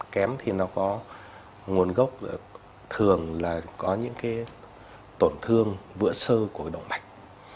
kém thì nó có nguồn gốc thường là có những tổn thương vữa sơ của động mạch